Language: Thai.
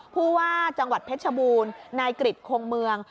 ผู้ว่าจังหวัดเพชรชบูรณ์นายกริจคงเมือง